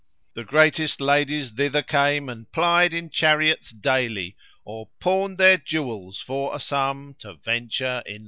The greatest ladies thither came, And plied in chariots daily, Or pawned their jewels for a sum To venture in the Alley."